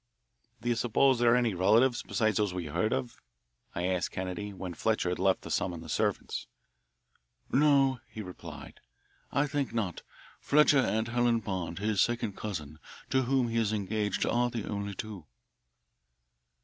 "Do you suppose there are any relatives besides those we know of?" I asked Kennedy when Fletcher had left to summon the servants. "No," he replied, "I think not. Fletcher and Helen Bond, his second cousin, to whom he is engaged, are the only two."